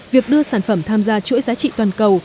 việc đưa sản phẩm tham gia chuỗi giá trị toàn cầu